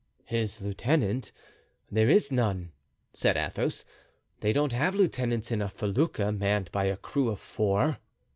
"His lieutenant? There is none," said Athos. "They don't have lieutenants in a felucca manned by a crew of four."